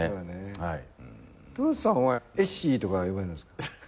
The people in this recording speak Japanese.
トヨさんは「エッシー」とか呼ばれるんですか？